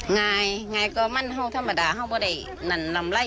ง่ายก็มันแฮ่วธรรมดาการเล่นไล่